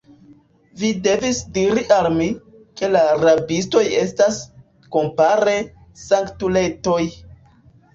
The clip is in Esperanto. Vi devis diri al mi, ke la rabistoj estas, kompare, sanktuletoj!